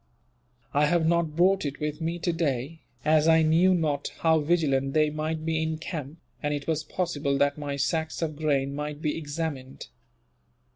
I have not brought it with me, today, as I knew not how vigilant they might be in camp, and it was possible that my sacks of grain might be examined.